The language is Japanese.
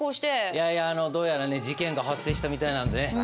いやいやどうやらね事件が発生したみたいなのでね